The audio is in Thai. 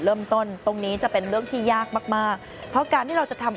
เริ่มต้นตรงนี้จะเป็นเรื่องที่ยากมากมากเพราะการที่เราจะทำ